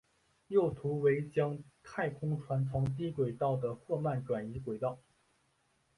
右图为将太空船从低轨道的霍曼转移轨道。